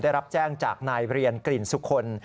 ได้รับแจ้งจากนายเรียนกลิ่นสุคล